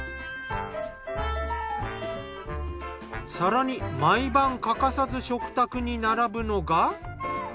更に毎晩欠かさず食卓に並ぶのが。